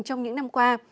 trong những năm qua